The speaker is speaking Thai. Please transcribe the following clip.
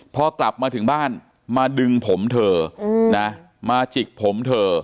พอกลับมาถึงบ้านมาดึงผมเธอนะมาจิกผมเธอ